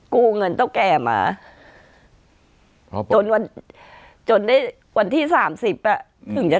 กู้เงินต้องแก่มาจนวันจนได้วันที่สามสิบอ่ะถึงจะ